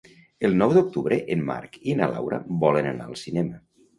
El nou d'octubre en Marc i na Laura volen anar al cinema.